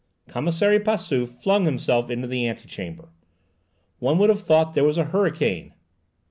Commissary Passauf flung himself into the antechamber. One would have thought there was a hurricane.